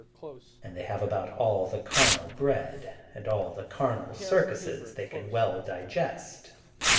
And they have about all the carnal bread and all the carnal circuses they can well digest.